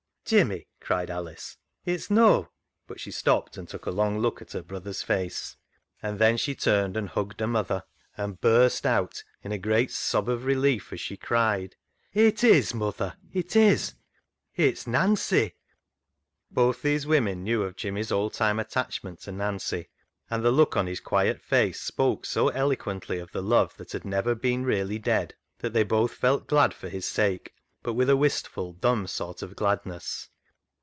"Jimmy!" cried Alice, " it's no" — but she stopped, and took a long look at her brother's face, and then she turned and hugged her mother and burst out in a great sob of relief as she cried — "It is, mother ! it is ! it's Nancy." Both these women knew of Jimmy's old time attachment to Nancy, and the look on his quiet face spoke so eloquently of the love that had never been really dead, that they GIVING A MAN AWAY 91 both felt glad for his sake, but with a wistful, dumb sort of gladness.